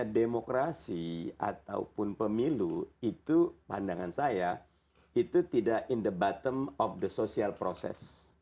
demokrasi ataupun pemilu itu pandangan saya itu tidak in the bottom of the social process